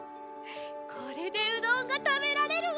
これでうどんがたべられるわ。